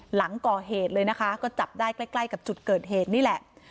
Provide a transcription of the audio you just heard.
หลังก่อเหตุเลยนะคะก็จับได้ใกล้ใกล้กับจุดเกิดเหตุนี่แหละ